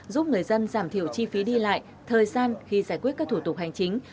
giúp người dân giảm thiểu chi phí đi lại thời gian khi giải quyết các thủ tục hành chính